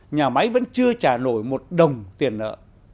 nhà máy vẫn chưa trả nổi một đồng tiền nợ